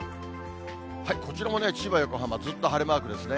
こちらも千葉、横浜、ずっと晴れマークですね。